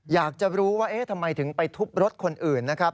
อยากจะรู้ว่าเอ๊ะทำไมถึงไปทุบรถคนอื่นนะครับ